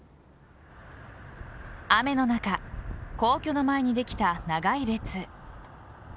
雨の中皇居の前にできた長い列。